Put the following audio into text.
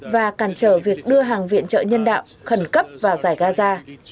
và cản trở việc đưa hàng viện trợ nhân đạo khẩn cấp vào giải gaza